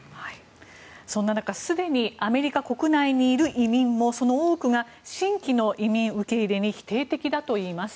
そんな中すでにアメリカ国内にいる移民もその多くが新規の移民の受け入れに否定的だといいます。